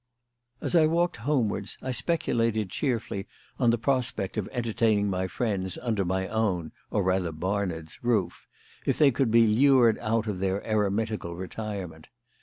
As I walked homewards I speculated cheerfully on the prospect of entertaining my friends under my own (or rather Barnard's) roof, if they could be lured out of their eremitical retirement.